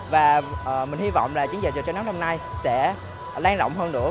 và mình hy vọng là chiến dịch về trái đất năm nay sẽ lan động hơn nữa